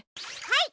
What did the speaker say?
はい！